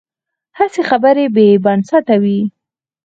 هسې خبرې بې بنسټه وي.